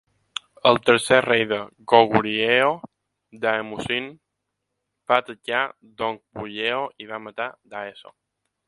El tercer rei de Goguryeo, Daemusin, va atacar Dongbuyeo i va matar Daeso.